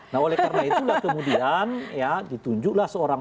nah oleh karena itulah kemudian ya ditunjuklah seorang